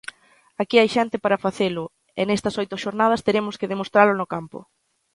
Aquí hai xente para facelo e nestas oito xornadas teremos que demostralo no campo.